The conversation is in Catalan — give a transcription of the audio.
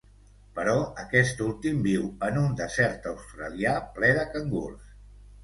Però aquest últim viu en un desert australià ple de cangurs.